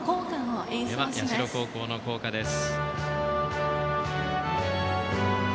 では社高校の校歌です。